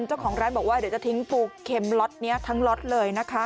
เจ้าของร้านบอกว่าเดี๋ยวจะทิ้งปูเข็มล็อตนี้ทั้งล็อตเลยนะคะ